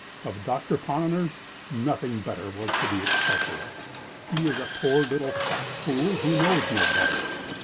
Of Doctor Ponnonner nothing better was to be expected. He is a poor little fat fool who knows no better.